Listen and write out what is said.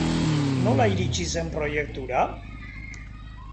Nola iritsi zen proiektura?